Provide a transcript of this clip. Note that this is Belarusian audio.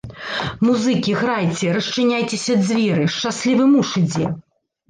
Музыкі, грайце, расчыняйцеся дзверы, шчаслівы муж ідзе.